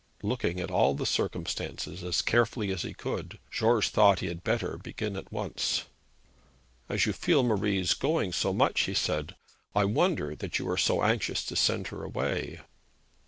Looking at all the circumstances as carefully as he could, George thought that he had better begin at once. 'As you feel Marie's going so much,' he said, 'I wonder that you are so anxious to send her away.'